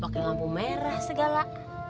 pak ke lampu merah segala